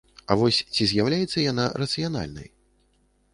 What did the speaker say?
А вось ці з'яўляецца яна рацыянальнай?